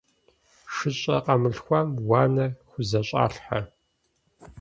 ШыщӀэ къамылъхуам уанэ хузэщӀалъхьэ.